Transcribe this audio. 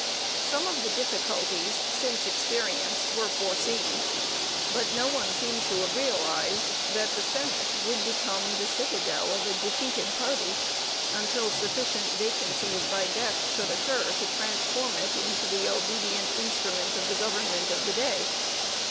Some of the difficulties since experienced were foreseen. But no one appears to have realized that the Senate would become the citadel of a defeated party, until sufficient vacancies by death should occur to transform it into the obedient instrument of the government of the day.